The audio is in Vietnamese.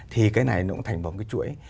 thì cái này nó cũng thành vòng cái chuỗi